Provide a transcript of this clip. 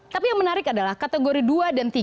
tapi yang menarik adalah kategori dua dan tiga